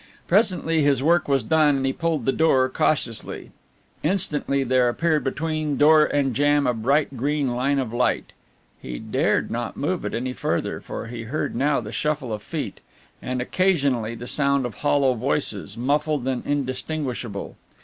Presently his work was done and he pulled the door cautiously. Instantly there appeared between door and jamb a bright green line of light. He dare not move it any farther, for he heard now the shuffle of feet, and occasionally the sound of hollow voices, muffled and indistinguishable.